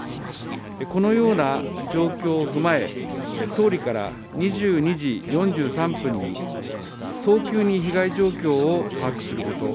このような状況を踏まえ総理から２２時４３分に早急に被害状況を把握すること。